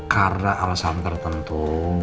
karena alasan tertentu